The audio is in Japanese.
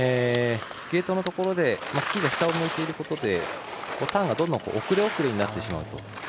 ゲートのところでスキーが下を向いているとターンが遅れ遅れになってしまうと。